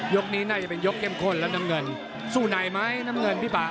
นี้น่าจะเป็นยกเข้มข้นแล้วน้ำเงินสู้ไหนไหมน้ำเงินพี่ป่า